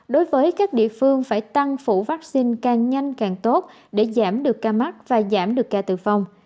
đối với các địa phương phải tăng phủ vaccine càng nhanh càng tốt để giảm được ca mắc và giảm được ca tử vong